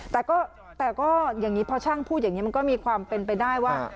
แต่ก็อย่างนี้พอช่างพูดอย่างนี้มันก็มีความเป็นไปได้ว่า